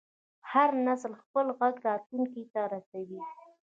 هر نسل خپل غږ راتلونکي ته رسوي.